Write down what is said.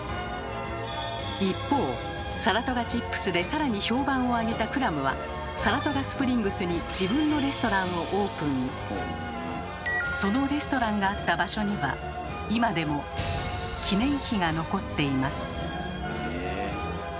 一方サラトガチップスでさらに評判を上げたクラムはそのレストランがあった場所には今でも記念碑が残っています。